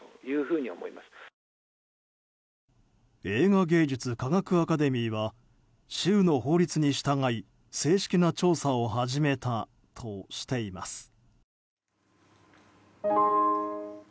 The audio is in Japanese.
映画芸術科学アカデミーは州の法律に従い正式な調査を始めたとしています。